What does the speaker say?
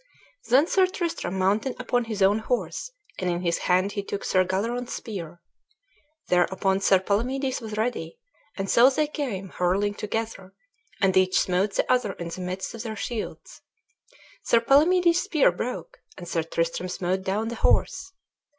Then Sir Tristram mounted upon his own horse, and in his hand he took Sir Galleron's spear. Thereupon Sir Palamedes was ready, and so they came hurling together, and each smote the other in the midst of their shields. Sir Palamedes' spear broke, and Sir Tristram smote down the horse.